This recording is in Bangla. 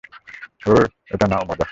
ওহ, এই নাও মজা।